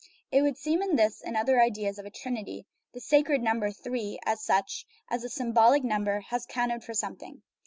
It would seem that in this and other ideas of a Trinity the " sacred number, three/' as such as a "symbolical number" has counted for something.